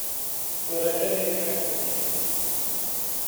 Tura kan i teččamt imekli.